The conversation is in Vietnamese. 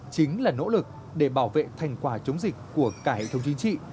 chính là nỗ lực để bảo vệ thành quả chống dịch của cải thống chính trị